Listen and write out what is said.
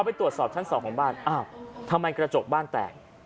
ไปตรวจสอบชั้นสองของบ้านอ้าวทำไมกระจกบ้านแตก